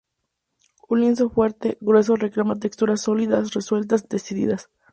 Un lienzo fuerte, grueso reclama texturas sólidas, resueltas, decididas.